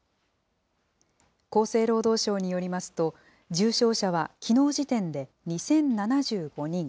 厚生労働省によりますと、重症者はきのう時点で２０７５人。